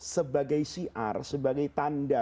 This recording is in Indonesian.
sebagai siar sebagai tanda